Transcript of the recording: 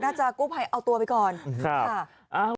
น่าจะกู้ภัยเอาตัวไปก่อนครับ